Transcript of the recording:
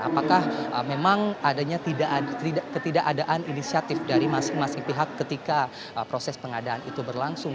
apakah memang adanya ketidakadaan inisiatif dari masing masing pihak ketika proses pengadaan itu berlangsung